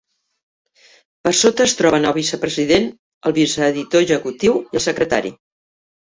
Per sota es troben el vicepresident, el viceeditor executiu i el secretari.